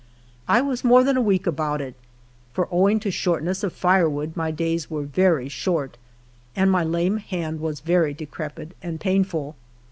I was more than a week about it, for owing to shortness of lire wood my days were very short, and my lame hand was very decrepid and painful.